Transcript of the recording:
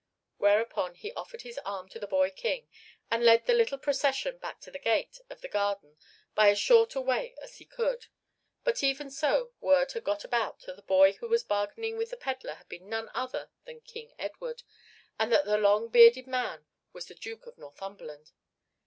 Whereupon he offered his arm to the boy king, and led the little procession back to the gate of the garden by as short a way as he could. But even so word had got about that the boy who was bargaining with the pedler was none other than King Edward, and that the long bearded man was the Duke of Northumberland.